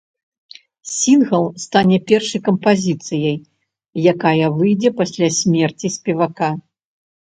Сінгл стане першай кампазіцыяй, якая выйдзе пасля смерці спевака.